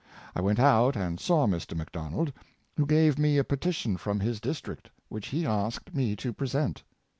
I went out and saw Mr. Macdonald, who gave me a petition from his district, which he asked me to present.